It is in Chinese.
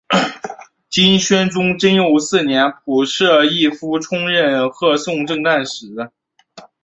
金宣宗贞佑四年仆散毅夫充任贺宋正旦使。